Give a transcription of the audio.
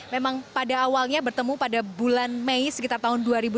memang pada awalnya bertemu pada bulan mei sekitar tahun dua ribu dua puluh